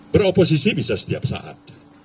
beroposisi bisa setiap saat